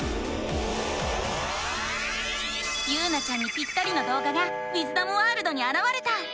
ゆうなちゃんにピッタリのどう画がウィズダムワールドにあらわれた！